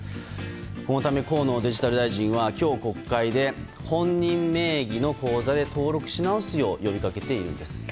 このため、河野デジタル大臣は今日、国会で本人名義の口座で登録し直すよう呼びかけているんです。